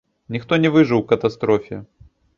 Ніхто не выжыў у катастрофе.